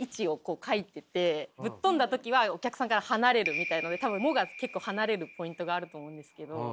ぶっ飛んだ時はお客さんから離れるみたいので多分「モ」が結構離れるポイントがあると思うんですけど。